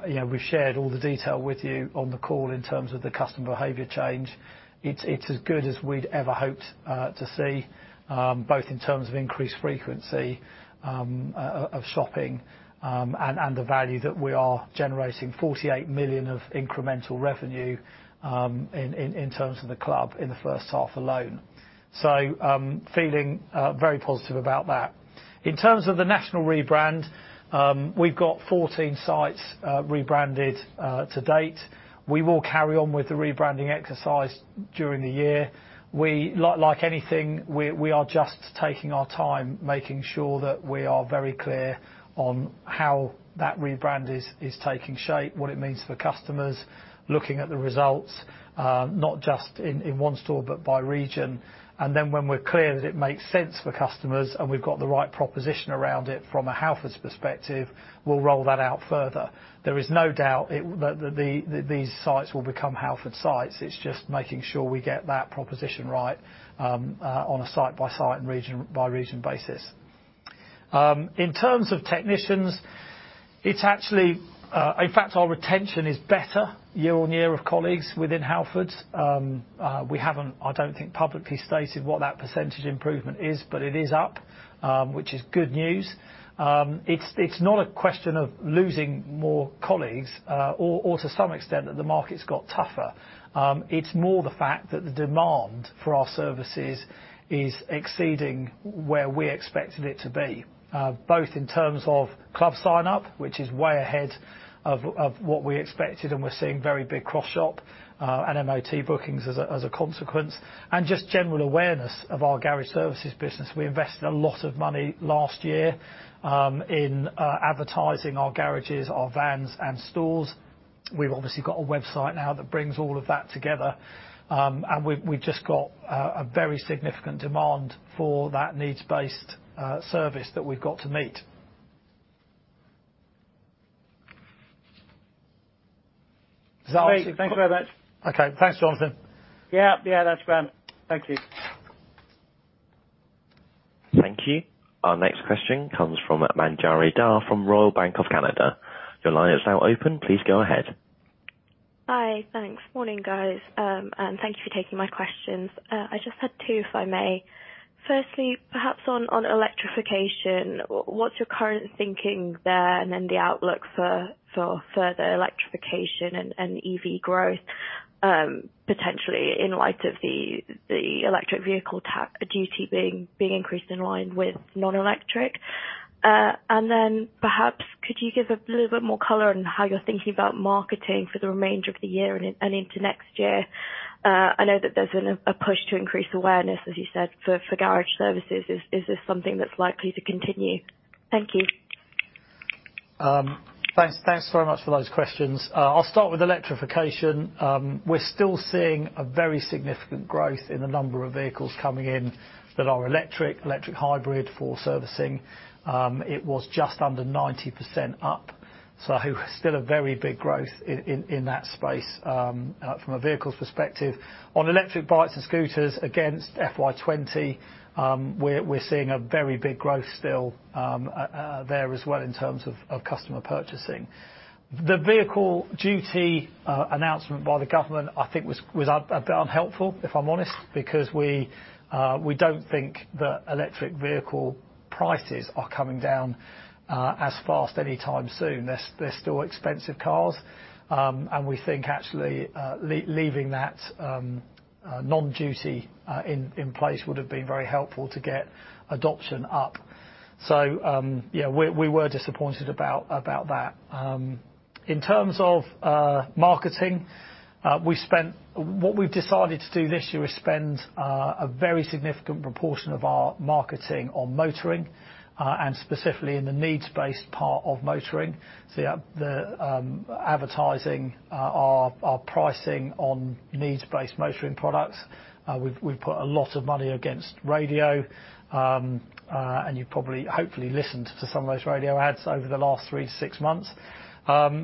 You know, we've shared all the detail with you on the call in terms of the customer behavior change. It's as good as we'd ever hoped to see both in terms of increased frequency of shopping and the value that we are generating, 48 million of incremental revenue in terms of the Club in the first half alone. Feeling very positive about that. In terms of the National rebrand, we've got 14 sites rebranded to date. We will carry on with the rebranding exercise during the year. We, like anything, we are just taking our time, making sure that we are very clear on how that rebrand is taking shape, what it means for customers, looking at the results, not just in one store, but by region. When we're clear that it makes sense for customers, and we've got the right proposition around it from a Halfords perspective, we'll roll that out further. There is no doubt it, these sites will become Halfords sites. It's just making sure we get that proposition right on a site-by-site and region-by-region basis. In terms of technicians, it's actually, in fact, our retention is better year-on-year of colleagues within Halfords. We haven't, I don't think, publicly stated what that % improvement is, but it is up, which is good news. It's not a question of losing more colleagues, or to some extent that the market's got tougher. It's more the fact that the demand for our services is exceeding where we expected it to be, both in terms of club sign up, which is way ahead of what we expected, and we're seeing very big cross-shop, and MOT bookings as a consequence, and just general awareness of our garage services business. We invested a lot of money last year, in advertising our garages, our vans and stores. We've obviously got a website now that brings all of that together. We've just got a very significant demand for that needs-based service that we've got to meet. Great. Thanks very much. Okay. Thanks, Jonathan. Yeah. That's grand. Thank you. Thank you. Our next question comes from Manjari Dhar from Royal Bank of Canada. Your line is now open. Please go ahead. Hi. Thanks. Morning, guys. Thank you for taking my questions. I just had 2, if I may. Firstly, perhaps on electrification, what's your current thinking there and the outlook for further electrification and EV growth, potentially in light of the electric vehicle tax duty being increased in line with non-electric? Perhaps could you give a little bit more color on how you're thinking about marketing for the remainder of the year and into next year? I know that there's a push to increase awareness, as you said, for garage services. Is this something that's likely to continue? Thank you. Thanks, thanks very much for those questions. I'll start with electrification. We're still seeing a very significant growth in the number of vehicles coming in that are electric hybrid for servicing. It was just under 90% up, so still a very big growth in that space from a vehicles perspective. On electric bikes and scooters against FY 20, we're seeing a very big growth still there as well in terms of customer purchasing. The vehicle duty announcement by the government, I think was a bit unhelpful, if I'm honest, because we don't think that electric vehicle prices are coming down as fast anytime soon. They're still expensive cars. We think actually, leaving that non-duty in place would have been very helpful to get adoption up. Yeah. We were disappointed about that. In terms of marketing, what we've decided to do this year is spend a very significant proportion of our marketing on motoring, and specifically in the needs-based part of motoring. Yeah, advertising our pricing on needs-based motoring products. We've put a lot of money against radio. You probably hopefully listened to some of those radio ads over the last 3-6 months.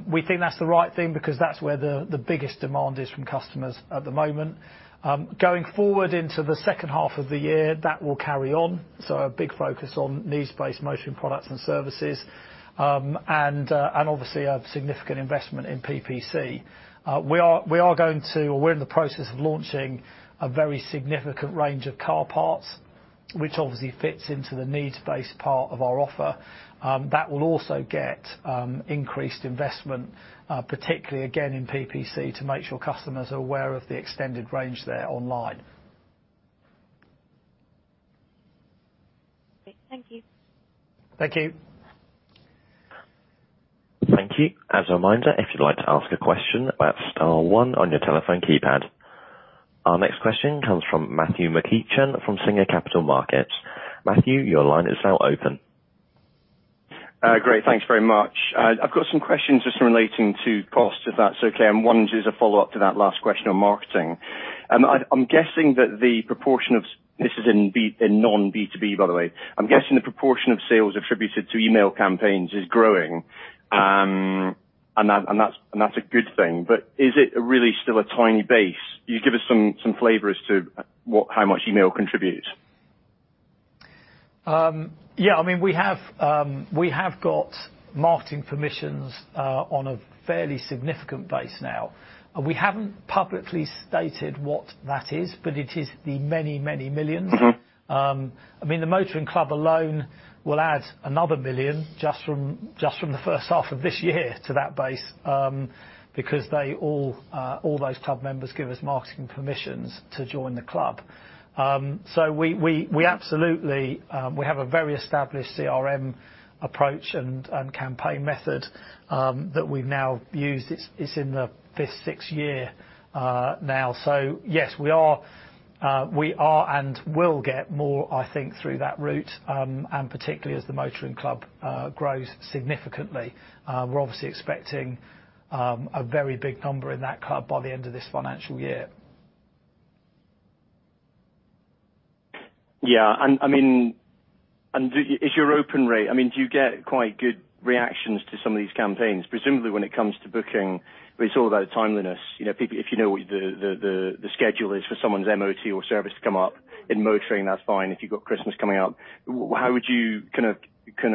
We think that's the right thing because that's where the biggest demand is from customers at the moment. Going forward into the second half of the year, that will carry on. A big focus on needs-based motoring products and services. Obviously a significant investment in PPC. We are going to, or we're in the process of launching a very significant range of car parts, which obviously fits into the needs-based part of our offer. That will also get increased investment, particularly again in PPC to make sure customers are aware of the extended range there online. Great. Thank you. Thank you. Thank you. As a reminder, if you'd like to ask a question, that's star one on your telephone keypad. Our next question comes from Matthew McEachran from Singer Capital Markets. Matthew, your line is now open. Great. Thanks very much. I've got some questions just relating to cost, if that's okay. One is a follow-up to that last question on marketing. This is in B, in non B2B, by the way. I'm guessing the proportion of sales attributed to email campaigns is growing, and that's a good thing. Is it really still a tiny base? Can you give us some flavor as to what, how much email contributes? Yeah. I mean, we have got marketing permissions on a fairly significant base now. We haven't publicly stated what that is, but it is the many, many millions. Mm-hmm. I mean, the Motoring Club alone will add another 1 million just from the first half of this year to that base because they all those club members give us marketing permissions to join the club. We absolutely, we have a very established CRM approach and campaign method that we've now used. It's in the fifth, sixth year now. Yes, we are and will get more, I think, through that route, and particularly as the Motoring Club grows significantly. We're obviously expecting a very big number in that club by the end of this financial year. Yeah. I mean, do you get quite good reactions to some of these campaigns? Presumably when it comes to booking, it's all about timeliness. You know, people, if you know what the schedule is for someone's MOT or service to come up in motoring, that's fine. If you've got Christmas coming up, how would you kind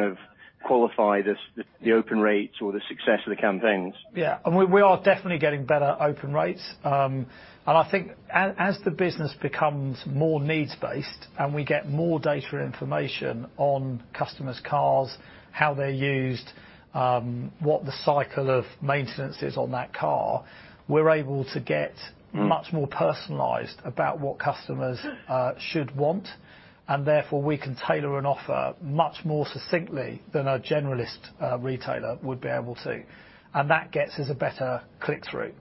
of qualify this, the open rates or the success of the campaigns? Yeah. We are definitely getting better open rates. I think as the business becomes more needs-based and we get more data information on customers' cars, how they're used, what the cycle of maintenance is on that car, we're able to get much more personalized about what customers should want, and therefore we can tailor an offer much more succinctly than a generalist retailer would be able to. That gets us a better click-through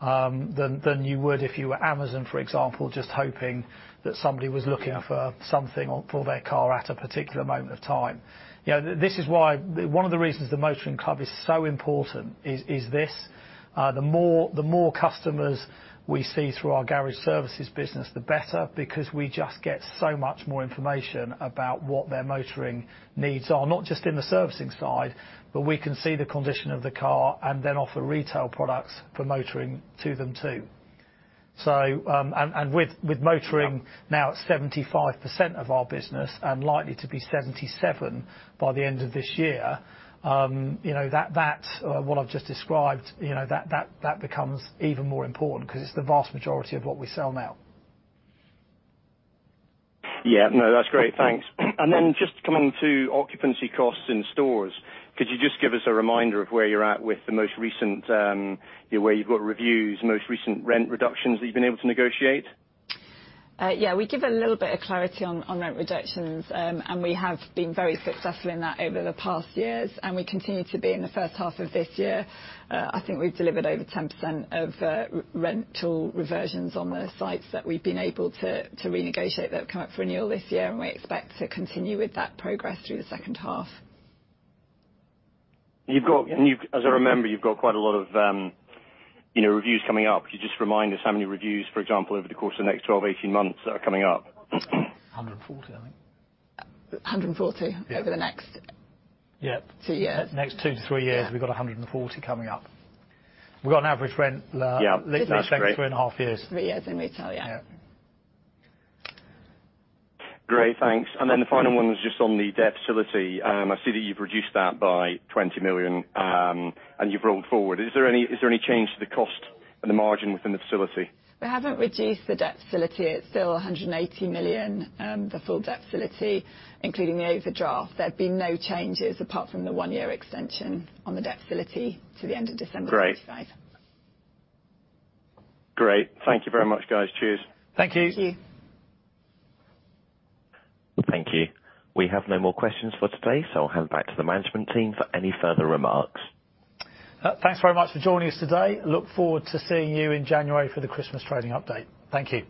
than you would if you were Amazon, for example, just hoping that somebody was looking for something for their car at a particular moment of time. You know, this is why. One of the reasons the Motoring Club is so important is this. The more customers we see through our garage services business, the better, because we just get so much more information about what their motoring needs are. Not just in the servicing side, but we can see the condition of the car and then offer retail products for motoring to them too. With motoring now 75% of our business and likely to be 77 by the end of this year, you know, that or what I've just described, you know, that becomes even more important 'cause it's the vast majority of what we sell now. Yeah. No, that's great. Thanks. Just coming to occupancy costs in stores. Could you just give us a reminder of where you're at with the most recent, you know, where you've got reviews, most recent rent reductions that you've been able to negotiate? Yeah, we give a little bit of clarity on rent reductions. We have been very successful in that over the past years, and we continue to be in the first half of this year. I think we've delivered over 10% of rental reversions on the sites that we've been able to renegotiate that would come up for renewal this year, and we expect to continue with that progress through the second half. You've got- Yeah. As I remember, you've got quite a lot of, you know, reviews coming up. Could you just remind us how many reviews, for example, over the course of the next 12, 18 months are coming up? 140, I think. 140. Yeah. Over the next- Yeah... two years. Next 2-3 years. Yeah we've got 140 coming up. We've got an average rent. Yeah. That's great. lease length of three and a half years. Three years in retail, yeah. Yeah. Great. Thanks. The final one was just on the debt facility. I see that you've reduced that by 20 million, and you've rolled forward. Is there any change to the cost and the margin within the facility? We haven't reduced the debt facility. It's still 180 million, the full debt facility, including the overdraft. There have been no changes apart from the one-year extension on the debt facility to the end of December this side. Great. Thank you very much, guys. Cheers. Thank you. Thank you. Thank you. We have no more questions for today, so I'll hand back to the management team for any further remarks. Thanks very much for joining us today. Look forward to seeing you in January for the Christmas trading update. Thank you.